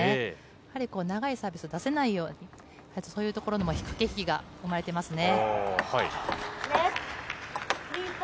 やはり長いサービスを出せないように、そういうところにも駆け引きが生まれてますね。